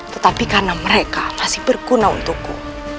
tetapi karena mereka masih berguna untukku